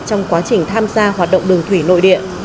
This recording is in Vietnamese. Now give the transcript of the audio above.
trong quá trình tham gia hoạt động đường thủy nội địa